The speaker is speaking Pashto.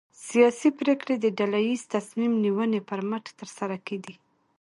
سیاسي پرېکړې د ډله ییزې تصمیم نیونې پر مټ ترسره کېدې.